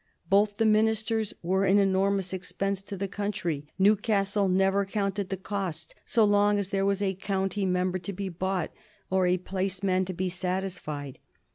Both the ministers were an enormous expense to the country. Newcastle never counted the cost so long as there was a county member to be bought or a placeman to be satisfied.